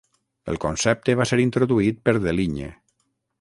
El concepte va ser introduït per Deligne.